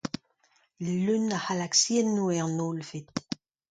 Leun a c'halaksiennoù eo an Hollved.